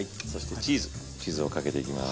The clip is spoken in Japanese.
チーズをかけていきます。